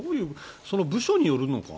その部署によるのか？